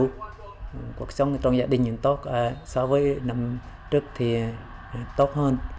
cuộc sống trong gia đình cũng tốt so với năm trước thì tốt hơn